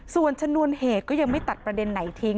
ส่วนชนวนเหตุก็ยังไม่ตัดประเด็นไหนทิ้ง